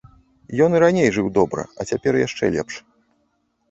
Ён і раней жыў добра, а цяпер яшчэ лепш.